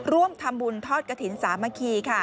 ร่วมทำบุญทอดกระถิ่นสามัคคีค่ะ